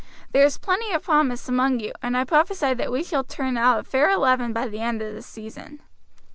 There is plenty of promise among you, and I prophesy that we shall turn out a fair eleven by the end of the season."